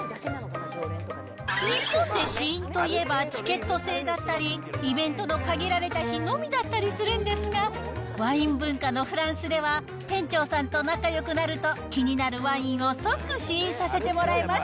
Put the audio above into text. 日本で試飲といえば、チケット制だったり、イベントの限られた日のみだったりするんですが、ワイン文化のフランスでは、店長さんと仲よくなると、気になるワインを即試飲させてもらえます。